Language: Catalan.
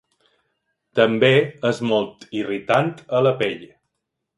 També és molt irritant a la pell.